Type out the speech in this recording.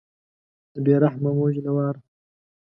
د بې رحمه موج له واره